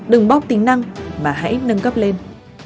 đừng bóc tính năng mà hãy nâng cấp lên